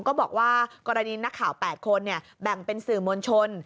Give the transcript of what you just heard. ก็บอกว่ากรณีนักข่าว๘คนแบ่งเป็นสื่อมวลชน